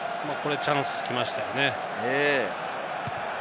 これ、チャンス来ましたよね。